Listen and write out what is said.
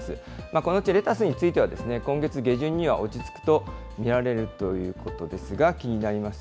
このうちレタスについては、今月下旬には落ち着くと見られるといそうですね。